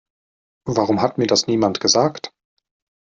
Warum hat mir das niemand gesagt?